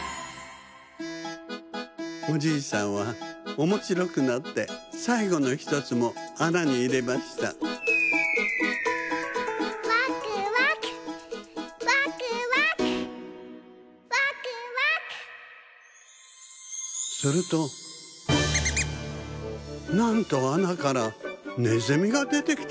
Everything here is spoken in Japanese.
おじいさんはおもしろくなってさいごの１つもあなにいれましたするとなんとあなからねずみがでてきたではありませんか。